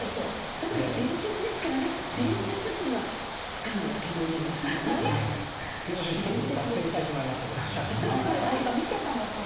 ただ伝説ですからね、伝説っていうのは、すみません、ちょっと脱線しこれ誰か見てたのかな。